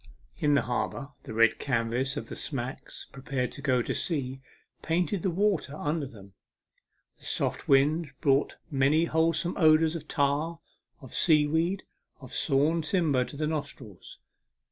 In the harbour the red canvas of smacks preparing to go to sea painted the water under them. The soft wind brought many wholesome odours of tar, of sea weed, of sawn timber to the nostrils.